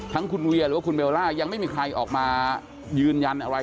ทั้งคุณเวียหรือว่าคุณเบลล่ายังไม่มีใครออกมายืนยันอะไร